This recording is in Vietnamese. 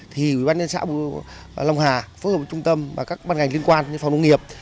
thì ubnd xã lòng hà phước hợp trung tâm và các bàn ngành liên quan như phòng nông nghiệp